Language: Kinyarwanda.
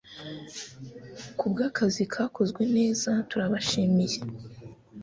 Kubwakazi kakozwe neza turabashimiye